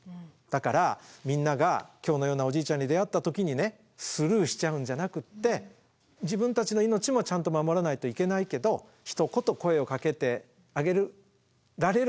だからみんなが今日のようなおじいちゃんに出会った時にスルーしちゃうんじゃなくって自分たちの命もちゃんと守らないといけないけどひと言声をかけてあげられる人になってほしいなと思いました。